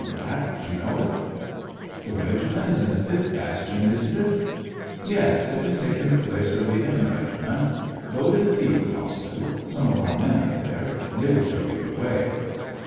... Perhaps you know it .^"" The regiment is in the fifth bastion, isn't it }'* 1^0 SEVASTOPOL IN AUGUST. "Yes ; it has taken the place of the M reg iment. Go to the field hospital ; some of our men are there, and they will show you the way."